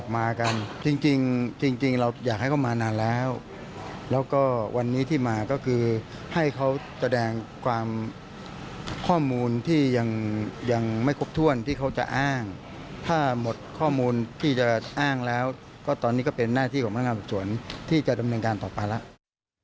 มีข้อมูลที่ยังไม่ครบถ้วนที่เขาจะอ้างถ้าหมดข้อมูลที่จะอ้างแล้วก็ตอนนี้ก็เป็นหน้าที่ของพนักงานสอบสวนที่จะดำเนินการต่อไปแล้ว